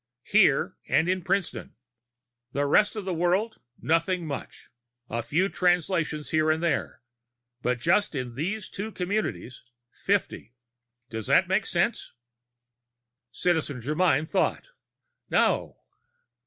Here and in Princeton. The rest of the world nothing much; a few Translations here and there. But just in these two communities, fifty. Does that make sense?" Citizen Germyn thought. " No."